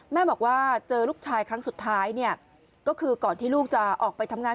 แม่บอกว่าเจอลูกชายครั้งสุดท้ายเนี่ยก็คือก่อนที่ลูกจะออกไปทำงาน